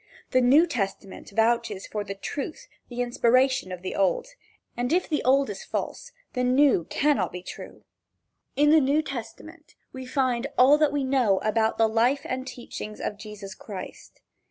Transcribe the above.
The New Testament vouches for the truth, the inspiration, of the Old, and if the old is false, the New cannot be true. In the New Testament we find all that we know about the life and teachings of Jesus Christ.